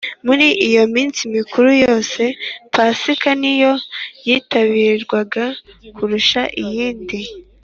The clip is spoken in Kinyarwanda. Mur’iyo minsi mikuru yose, Pasika niyo yitabirwaga kurusha iyindi